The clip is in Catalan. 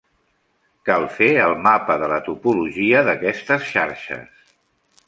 Cal fer el mapa de la topologia d'aquestes xarxes.